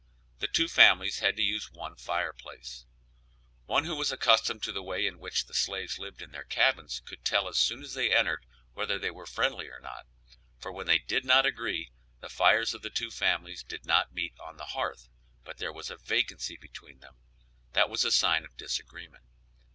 The two families had to use one fireplace. One who was accustomed to the way in which the slaves lived in their cabins could tell as soon as they entered whether they were friendly or not, for when they did not agree the fires of the two families did not meet on the hearth, but there was a vacancy between them, that was a sign of disagreement.